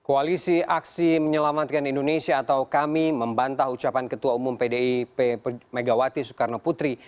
koalisi aksi menyelamatkan indonesia atau kami membantah ucapan ketua umum pdip megawati soekarno putri